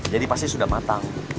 jadi pasti sudah mateng